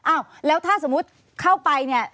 อ้าวแล้วถ้าสมมุติเข้าไปเนี่ย